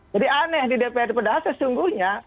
jadi aneh di dpr dpr sesungguhnya